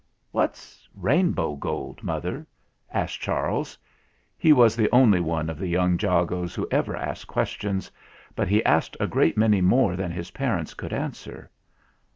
"What's rainbow gold, mother?" asked Charles. He was the only one of the young Jagos who ever asked questions, but he asked a great many more than his parents could answer.